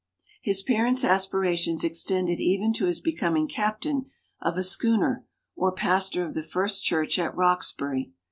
His parents' aspirations extended even to his becoming captain of a schooner or pastor of the First Church at Roxbury.